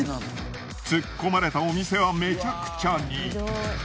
突っ込まれたお店はめちゃくちゃに。